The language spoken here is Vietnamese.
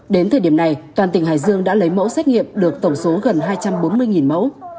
đến thời điểm này toàn tỉnh hải dương đã lấy mẫu xét nghiệm được tổng số gần hai trăm bốn mươi mẫu